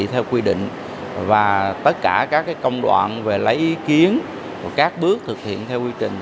theo quy định và tất cả các công đoạn về lấy ý kiến các bước thực hiện theo quy trình